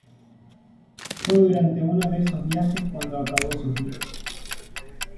Fue durante uno de esos viajes cuando acabó sus días.